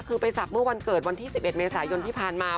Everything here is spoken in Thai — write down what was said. คือไปศักดิ์เมื่อวันเกิดวันที่๑๑เมษายนที่ผ่านมา